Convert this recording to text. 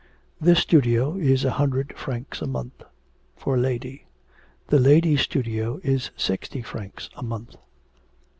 'This studio is a hundred francs a month for a lady; the ladies' studio is sixty francs a month.'